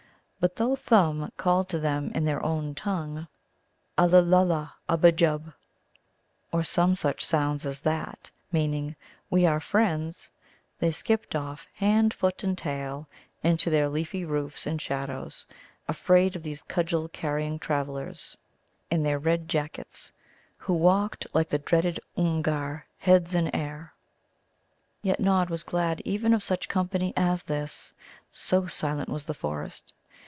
But though Thumb called to them in their own tongue. "Ullalullaubbajub," or some such sounds as that, meaning, "We are friends," they skipped off, hand, foot, and tail, into their leafy roofs and shadows, afraid of these cudgel carrying travellers in their red jackets, who walked, like the dreaded Oomgar, heads in air. Yet Nod was glad even of such company as this, so silent was the forest.